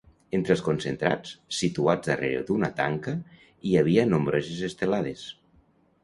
Entre els concentrats, situats darrere d’una tanca, hi havia nombroses estelades.